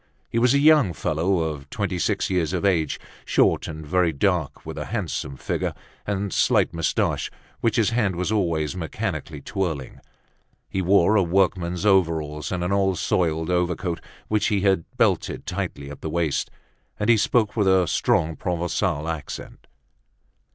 He was a young fellow of twenty six years of age, short and very dark, with a handsome figure, and slight moustaches which his hand was always mechanically twirling. He wore a workman's overalls and an old soiled overcoat, which he had belted tightly at the waist, and he spoke with a strong Provencal accent.